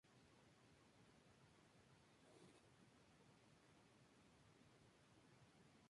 Sin embargo, se cree que el corredor británico Ron Hill mantiene la marca.